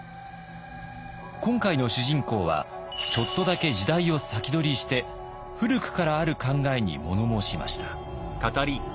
今回の主人公はちょっとだけ時代を先取りして古くからある考えに物申しました。